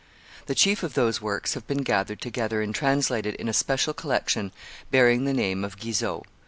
The chief of those works have been gathered together and translated in a special collection bearing the name of Guizot.